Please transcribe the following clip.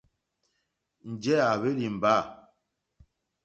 Njɛ̂ à hwélí ìmbâ.